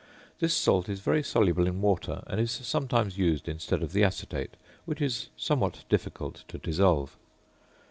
This salt is very soluble in water and is sometimes used instead of the acetate, which is somewhat difficult to dissolve.